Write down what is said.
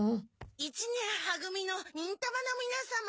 一年は組の忍たまのみなさま。